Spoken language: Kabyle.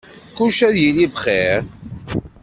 Kullec ad yili bxir.